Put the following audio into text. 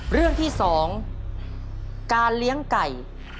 เรื่องที่๒การเลี้ยงไก่